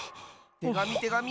てがみてがみ！